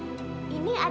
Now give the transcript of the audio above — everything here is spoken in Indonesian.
nah ada makanan